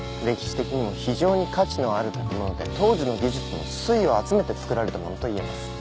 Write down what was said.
歴史的にも非常に価値のある建物で当時の技術の粋を集めて造られたものといえます。